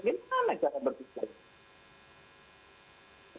bagaimana cara berpisah